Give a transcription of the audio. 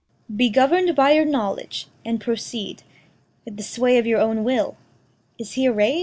Be govern'd by your knowledge, and proceed I' th' sway of your own will. Is he array'd?